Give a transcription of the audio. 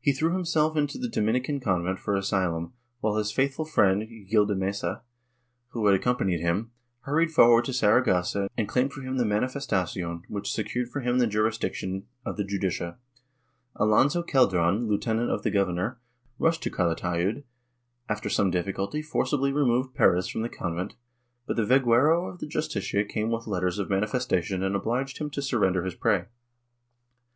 He threw him Chap X] ANTONIO PEREZ 257 self into the Dominican convent for asylum, while his faithful friend, Gil de Mesa, who had accompanied him, hurried forward to Saragossa and claimed for him the manifestacion which secured for him the jurisdiction of the Justicia. Alonso Celdran, lieu tenant of the governor, rushed to Calatayud and, after some diffi culty, forcibly removed Perez from the convent, but the veguero of the Justicia came with letters of manifestacion and obliged him to surrender his prey.